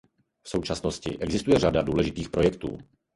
V současnosti existuje řada důležitých projektů.